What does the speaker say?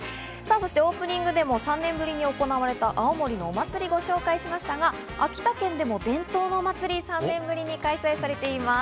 そしてオープニングでも３年ぶりに行われた青森の祭りをご紹介しましたけど、秋田県でも伝統のお祭りが３年ぶりに開催されています。